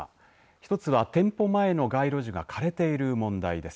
１つは店舗前の街路樹が枯れている問題です。